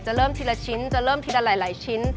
เริ่มทีละชิ้นจะเริ่มทีละหลายชิ้น